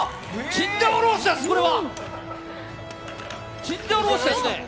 チンジャオロースですね！